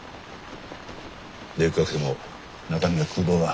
でっかくても中身は空洞だ。